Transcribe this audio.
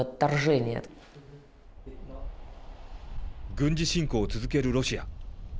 軍事侵攻を続けるロシア。